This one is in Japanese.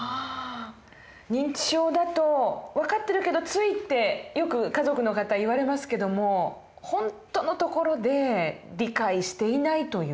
認知症だと分かってるけどついってよく家族の方言われますけども本当のところで理解していないという。